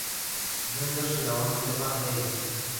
Juniors grabando el tema "Hey!